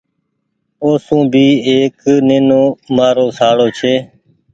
اوسون ڀي ايڪ نينومآرو شاڙو ڇي۔